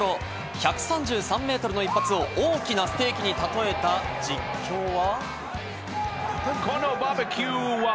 １３３メートルの一発を大きなステーキにたとえた実況は。